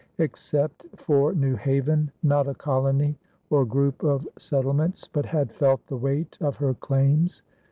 Except for New Haven, not a colony or group of settlements but had felt the weight of her claims.